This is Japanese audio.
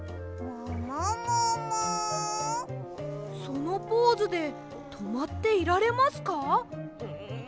そのポーズでとまっていられますか？